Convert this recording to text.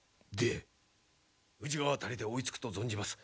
宇治川辺りで追いつくと存じます。